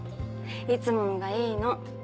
いつものがいいの。